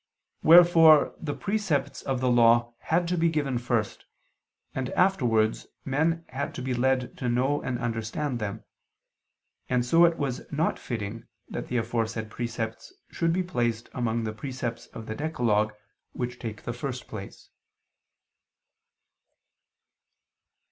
Wherefore the precepts of the Law had to be given first, and afterwards men had to be led to know and understand them, and so it was not fitting that the aforesaid precepts should be placed among the precepts of the decalogue which take the first place.